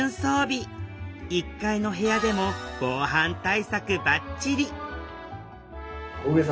１階の部屋でも防犯対策ばっちり！